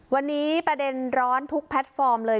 วันนี้ประเด็นร้อนทุกแพลตฟอร์มเลย